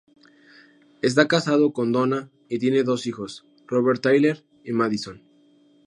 Está casado con Donna y tiene dos hijos, Robert Tyler y Madison.